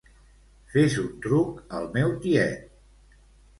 Fes un truc al meu tiet.